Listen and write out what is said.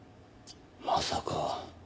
まさか。